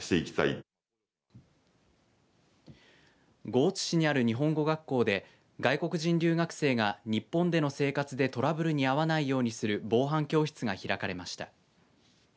江津市にある日本語学校で外国人留学生が日本での生活でトラブルに遭わないようにする防犯教室が開かれました。